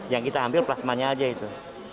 yang kita ambil plasmanya aja itu